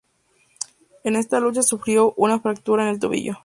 En esta lucha sufrió una fractura en el tobillo.